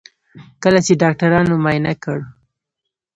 کله چې ډاکټرانو معاینه کړ.